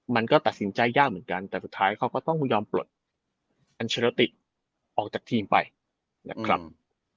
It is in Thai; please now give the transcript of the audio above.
มันก็ตัดสินใจยากเหมือนกันแต่สุดท้ายเขาก็ต้องยอมปลดอัลเชโรติกออกจากทีมไปนะครับ